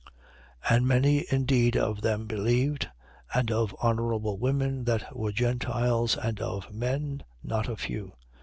And many indeed of them believed: and of honourable women that were Gentiles and of men, not a few.